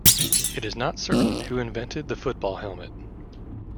It is not certain who invented the football helmet.